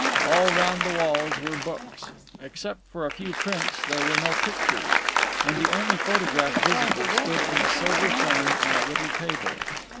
All round the walls were books. Except for a few prints, there were no pictures; and the only photograph visible stood in a silver frame on a little table.